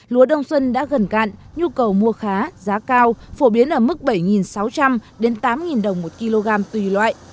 lúa đông xuân đã gần cạn nhu cầu mua khá giá cao phổ biến ở mức bảy sáu trăm linh tám đồng một kg tùy loại